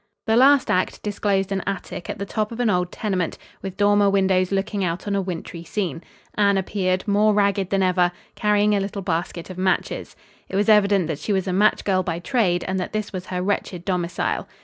The last act disclosed an attic at the top of an old tenement, with dormer windows looking out on a wintry scene. Anne appeared, more ragged than ever, carrying a little basket of matches. It was evident that she was a match girl by trade, and that this was her wretched domicile.